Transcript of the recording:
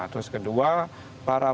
terus kedua para